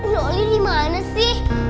loli dimana sih